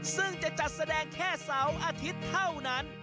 ซึ่งจะจัดแสดงแค่เสาร์อาทิตย์เท่านั้น